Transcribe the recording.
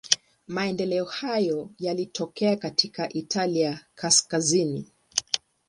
Maendeleo hayo yalitokea katika Italia kaskazini.